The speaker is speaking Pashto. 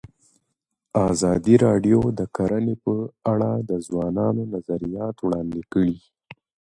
ازادي راډیو د کرهنه په اړه د ځوانانو نظریات وړاندې کړي.